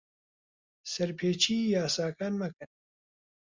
سەرپێچیی یاساکان مەکەن.